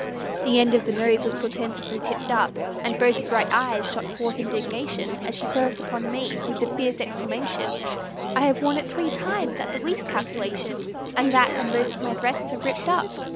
The end of the nose was portentously tipped up And both the bright eyes shot forth indignation, As she burst upon me with the fierce exclamation, "I have worn it three times, at the least calculation, And that and most of my dresses are ripped up!"